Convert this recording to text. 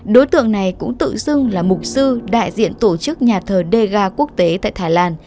đối tượng này cũng tự xưng là mục sư đại diện tổ chức nhà thờ dega quốc tế tại thái lan